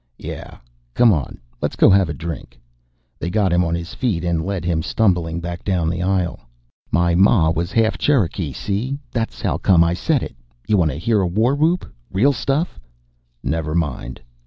"Yeah. Come on, let's go have a drink." They got him on his feet, and led him stumbling back down the aisle. "My ma was half Cherokee, see? That's how come I said it. You wanta hear a war whoop? Real stuff." "Never mind."